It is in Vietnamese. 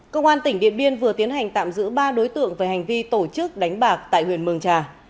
công an tỉnh điện biên vừa tiến hành tạm giữ ba đối tượng về hành vi tổ chức đánh bạc tại huyện mường trà